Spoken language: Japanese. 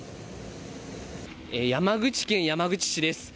山口県山口市です。